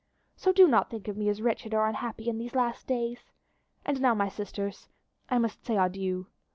"So do not think of me as wretched or unhappy in these last days. And now, my sisters, I must say adieu.